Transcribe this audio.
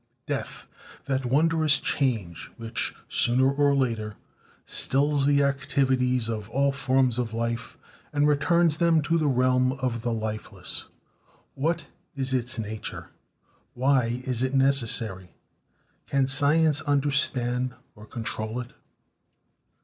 Death, that wondrous change which sooner or later stills the activities of all forms of life and returns them to the realm of the lifeless — what is its nature? Why is it necessary? Can science understand or control it?